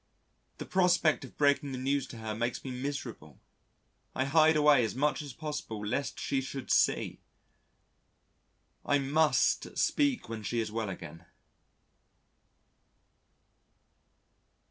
The prospect of breaking the news to her makes me miserable. I hide away as much as possible lest she should see. I must speak when she is well again.